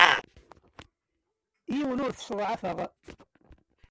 Yiwen ur t-sseḍɛafeɣ.